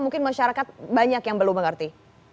mungkin masyarakat banyak yang belum mengerti